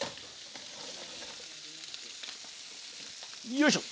よいしょ！